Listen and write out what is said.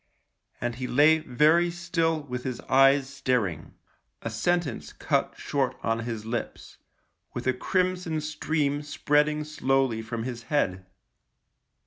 And he lay very still with his eyes staring — a sentence cut short on his lips — with a crimson stream spreading slowly from his head.